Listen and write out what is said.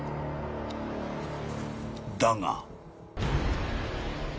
［だが］